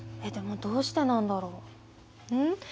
でもどうしてなんだろう？ん？